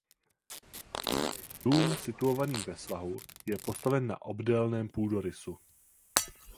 Dům situovaný ve svahu je postaven na obdélném půdorysu.